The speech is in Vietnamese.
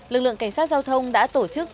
lực lượng cảnh sát giao thông đã tổ chức